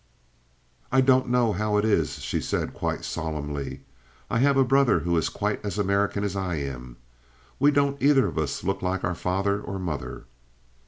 "I don't know how it is," she said, quite solemnly. "I have a brother who is quite as American as I am. We don't either of us look like our father or mother."